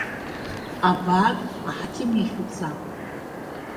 Абаак, аҳақьым иахь уца!